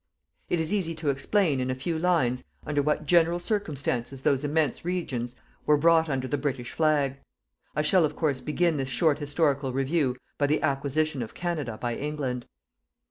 It is easy to explain, in a few lines, under what general circumstances those immense regions were brought under the British flag. I shall, of course, begin this short historical review by the acquisition of Canada by England.